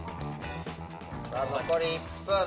さぁ残り１分。